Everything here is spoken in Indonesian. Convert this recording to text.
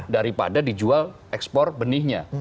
daripada dijual ekspor benihnya